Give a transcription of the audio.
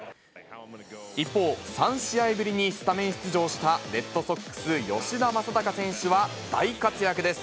一方、３試合ぶりにスタメン出場したレッドソックス、吉田正尚選手は、大活躍です。